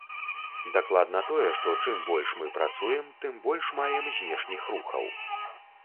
Дакладна тое, што чым больш мы працуем, тым больш маем знешніх рухаў.